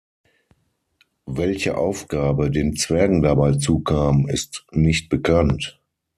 Welche Aufgabe den Zwergen dabei zukam, ist nicht bekannt.